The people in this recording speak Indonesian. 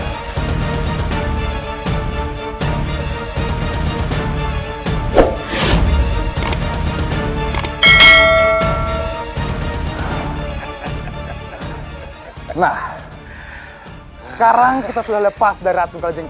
hai nah sekarang kita sudah lepas darat rukajenggi